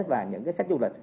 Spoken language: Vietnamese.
và những khách du lịch